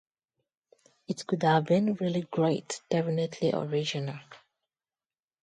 It could have been really great, definitely original.